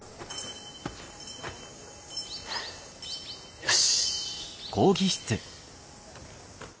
よし。